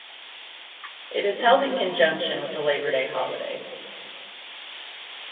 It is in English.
It is held in conjunction with the Labor Day holiday.